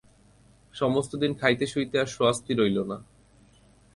সমস্ত দিন খাইতে শুইতে আর সোয়াস্তি রহিল না।